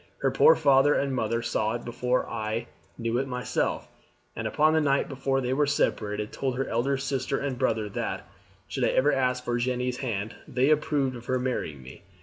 Her poor father and mother saw it before I knew it myself, and upon the night before they were separated told her elder sister and brother that, should I ever ask for Jeanne's hand, they approved of her marrying me.